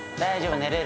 寝れる。